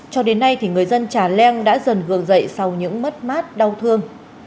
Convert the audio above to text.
cho đến nay thì người dân trà leng đã dần gừng dậy sau những mất mát đau thương